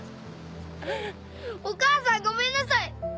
お母さんごめんなさい。